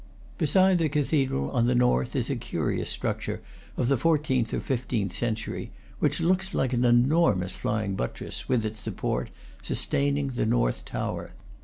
Beside the cathedral, on the north, is a curious structure of the fourteenth or fifteenth century, which looks like an enormous flying buttress, with its sup port, sustaining the north tower.